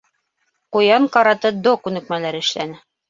Ҡуян каратэ-до күнекмәләре эшләне.